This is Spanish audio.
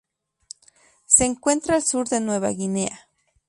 Se encuentra al sur de Nueva Guinea.